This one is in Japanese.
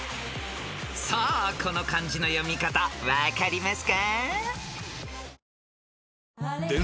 ［さあこの漢字の読み方分かりますか？］